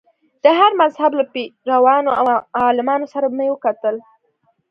د هر مذهب له پیروانو او عالمانو سره مې وکتل.